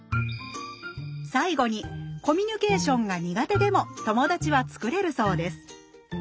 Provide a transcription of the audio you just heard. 最後にコミュニケーションが苦手でも友達は作れるそうです